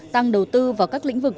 tăng đầu tư vào các lĩnh vực